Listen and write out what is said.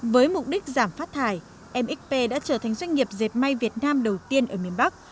với mục đích giảm phát thải mxp đã trở thành doanh nghiệp dệt may việt nam đầu tiên ở miền bắc